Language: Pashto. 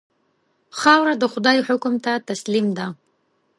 خاوره د خدای حکم ته تسلیم ده.